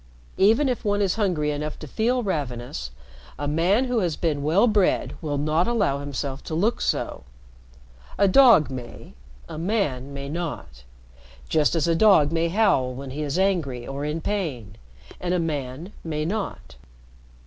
Even if one is hungry enough to feel ravenous, a man who has been well bred will not allow himself to look so. A dog may, a man may not. Just as a dog may howl when he is angry or in pain and a man may not."